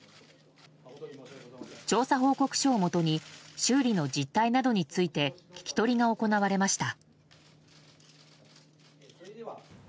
調査報告書をもとに修理の実態などについて聞き取りが行われました。